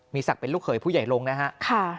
ศักดิ์เป็นลูกเขยผู้ใหญ่ลงนะฮะ